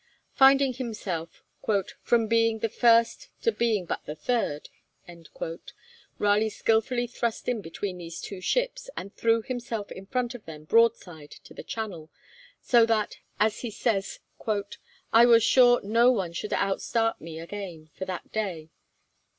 Finding himself, 'from being the first to be but the third,' Raleigh skilfully thrust in between these two ships, and threw himself in front of them broadside to the channel, so that, as he says, 'I was sure no one should outstart me again, for that day.'